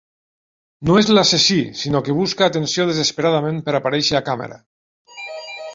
No és l'assassí, sinó que busca atenció desesperadament per aparèixer a càmera.